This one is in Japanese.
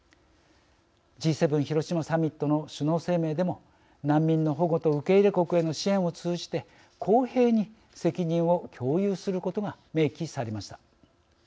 Ｇ７広島サミットの首脳声明でも難民の保護と受け入れ国への支援を通じて公平に責任を共有することが明記されました。